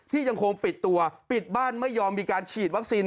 ยังคงปิดตัวปิดบ้านไม่ยอมมีการฉีดวัคซีน